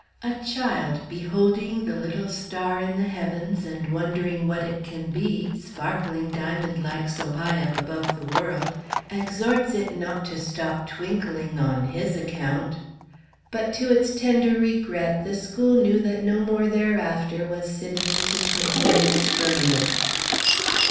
A child, beholding the little star in the heavens, and wondering what it can be, sparkling diamond like so high up above the world, exhorts it not to stop twinkling on his account. But to its tender regret the school knew that no more thereafter was Sidonie to twinkle in its firmament.